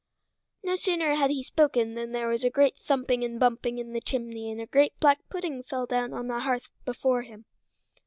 No sooner had he spoken than there was a great thumping and bumping in the chimney and a great black pudding fell down on the hearth before him.